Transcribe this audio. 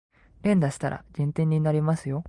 連打したら減点になりますよ